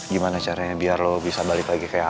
gimana caranya biar lo bisa balik lagi ke kesehatan